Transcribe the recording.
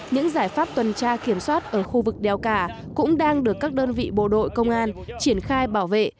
những giải pháp tuần tra kiểm soát ở khu vực đèo cả cũng đang được các đơn vị bộ đội công an triển khai bảo vệ